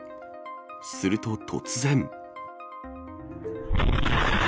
すると、突然。